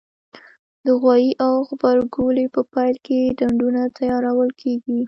د غويي او غبرګولي په پیل کې ډنډونه تیارول کېږي.